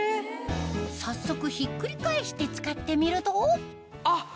早速ひっくり返して使ってみるとあっ！